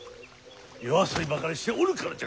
夜遊びばかりしておるからじゃ